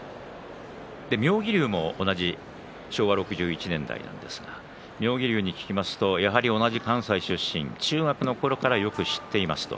妙義龍も同じ昭和６１年妙義龍に聞きますと同じ関西出身中学のころからよく知っています。